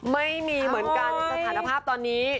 ไม่มีเหมือนกันสถานภาพตอนนี้